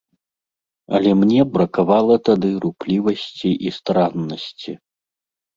Але мне бракавала тады руплівасці і стараннасці.